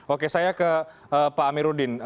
oke saya ke pak amiruddin